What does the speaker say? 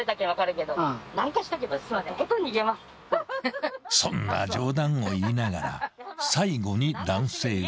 ［そんな冗談を言いながら最後に男性は］